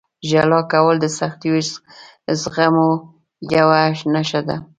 • ژړا کول د سختیو زغملو یوه نښه ده.